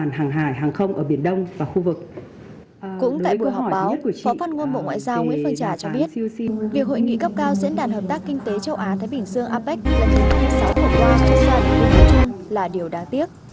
cũng tại buổi họp báo phó phát ngôn bộ ngoại giao nguyễn phương trà cho biết việc hội nghị gấp cao diễn đàn hợp tác kinh tế châu á thái bình sương apec là điều đáng tiếc